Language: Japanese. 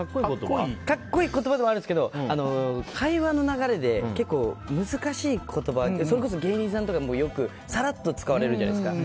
格好いい言葉でもあるんですけど会話の流れで結構難しい言葉ってそれこそ芸人さんとかでもよく、さらっと使われるじゃないですか。